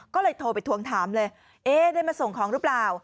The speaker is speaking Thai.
ก็เลยโทรไปทวงถามเลยเอ๊ได้มาส่งของหรือเปล่า